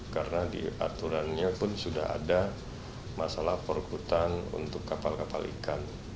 karena di aturannya pun sudah ada masalah perhubungan untuk kapal kapal ikan